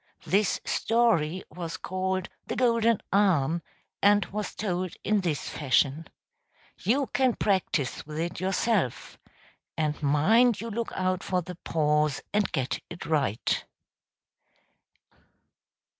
This story was called "The Golden Arm," and was told in this fashion. You can practise with it yourself and mind you look out for the pause and get it right.